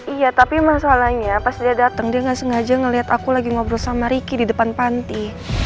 iya tapi masalahnya pas dia datang dia nggak sengaja ngeliat aku lagi ngobrol sama ricky di depan panti